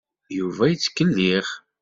Yuba yettkellix.